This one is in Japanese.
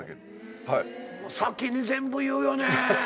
先に全部言うよね。